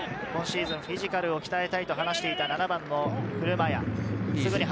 今シーズン、フィジカルを鍛えたいと話していた７番の車屋。